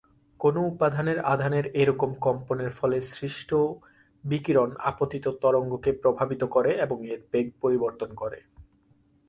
কোনো উপাদানের আধানের এরকম কম্পনের ফলে সৃষ্ট বিকিরণ আপতিত তরঙ্গকে প্রভাবিত করে এবং এর বেগ পরিবর্তন করে।